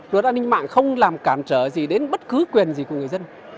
luật an ninh mạng không làm cản trở gì đến bất cứ quyền gì của người dân